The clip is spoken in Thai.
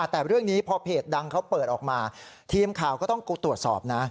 แต่เรื่องนี้พอเพจดังเขาเปิดออกมาทีมข่าวก็ต้องตรวจสอบนะ